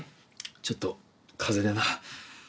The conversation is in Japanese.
ちょっと風邪でな。